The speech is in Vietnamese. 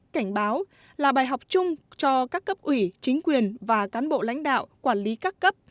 cảnh báo là bài học chung cho các cấp ủy chính quyền và cán bộ lãnh đạo quản lý các cấp